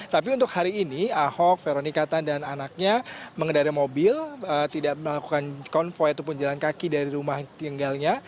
tapi untuk hari ini ahok veronika tan dan anaknya mengendari mobil tidak melakukan konvoy ataupun jalan kaki dari rumah tinggalnya